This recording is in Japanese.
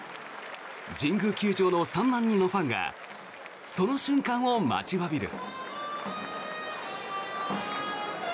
神宮球場の３万人のファンがその瞬間を待ちわびる。